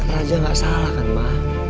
raja gak salah kan mah